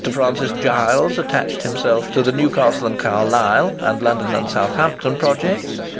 Francis Giles attached himself to the Newcastle and Carlisle and London and Southampton projects.